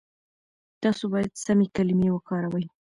تاسو بايد سمې کلمې وکاروئ.